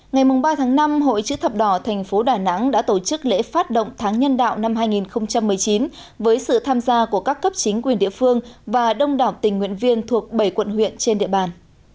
ngày ba tháng năm hội chữ thập đỏ tp đà nẵng đã tổ chức lễ phát động tháng nhân đạo năm hai nghìn một mươi chín với sự tham gia của các cấp chính quyền địa phương và đông đảo tình nguyện viên thuộc bảy quận huyện trên địa bàn